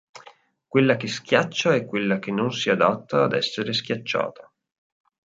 Quella che schiaccia e quella che non si adatta ad essere schiacciata.